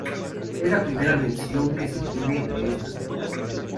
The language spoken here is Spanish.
Es la primera mención que se tiene de este hospital.